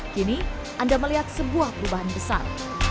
kini anda melihat sebuah perubahan besar